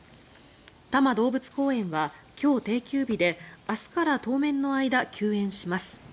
多摩動物公園は今日、定休日で明日から当面の間、休園します。